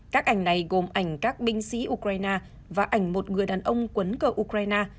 các ảnh này gồm ảnh các binh sĩ ukraine và ảnh một người đàn ông quấn cờ ukraine